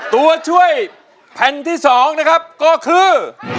ตัวช่วยแผ่นที่๒นะครับก็คือ